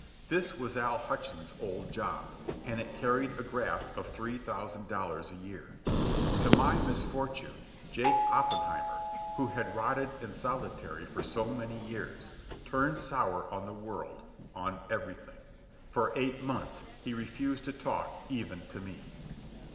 This was Al Hutchins' old job, and it carried a graft of three thousand dollars a year. To my misfortune, Jake Oppenheimer, who had rotted in solitary for so many years, turned sour on the world, on everything. For eight months he refused to talk even to me.